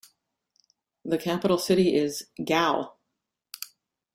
The capital city is Gao.